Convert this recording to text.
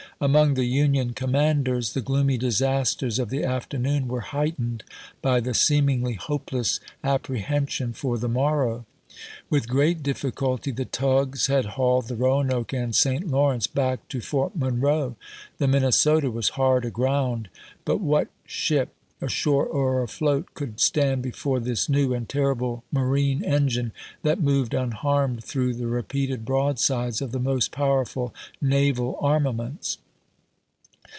Among the Union commanders the gloomy disasters of the afternoon were heightened by the seemingly hopeless appre hension for the morrow. With great difficulty the tugs had hauled the Roanoke and St. Lawrence back to Fort Monroe ; the Minnesota was hard aground. But what ship, ashore or afloat, could stand before this new and terrible marine engine, that moved unharmed through the repeated broadsides of the most powerful naval armaments